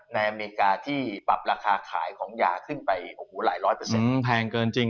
ในอเมริกาที่ปรับราคาขายของยาขึ้นไปหลายร้อยเปอร์เซ็นต์